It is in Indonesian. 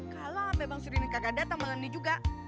kalau abang seri ini kagak datang malah ini juga